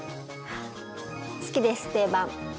好きです定番。